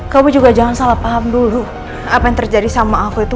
kamu juga jangan salah paham dulu apa yang terjadi sama aku itu